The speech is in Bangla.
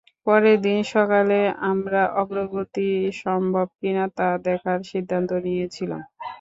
পরের দিন সকালে, আমরা অগ্রগতি সম্ভব কিনা তা দেখার সিদ্ধান্ত নিয়েছিলাম।